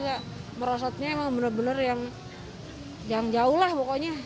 jadi merosotnya emang bener bener yang jauh lah pokoknya